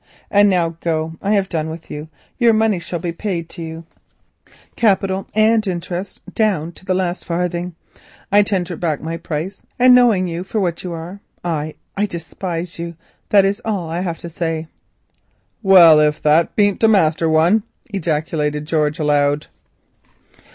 And now go. I have done with you. Your money shall be paid to you, capital and interest, down to the last farthing. I tender back my price, and knowing you for what you are, I—I despise you. That is all I have to say." "Well, if that beant a master one," ejaculated George aloud.